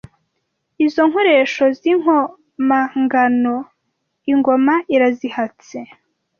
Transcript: Izo nkoresho z’inkomangano ingoma irazihatse